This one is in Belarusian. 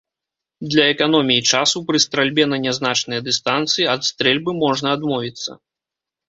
Для эканоміі часу, пры стральбе на нязначныя дыстанцыі, ад стрэльбы можна адмовіцца.